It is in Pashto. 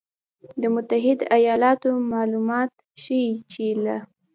له متحدو ایالتونو مالومات ښیي چې له